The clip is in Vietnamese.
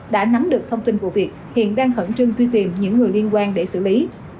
đã nắm được thông tin vụ việc hiện đang khẩn trương truy tìm những người liên quan để xử lý